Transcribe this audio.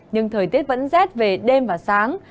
nhưng thời tiết vẫn rét về đêm và sáng